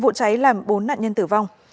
vụ cháy làm bốn nạn nhân tử vong